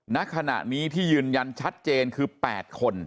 ณขณะนี้ที่ยืนยันชัดเจนคือ๘คน